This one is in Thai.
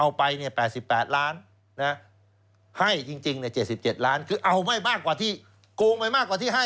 เอาไปเนี่ย๘๘ล้านให้จริง๗๗ล้านคือเอาไม่มากกว่าที่โกงไปมากกว่าที่ให้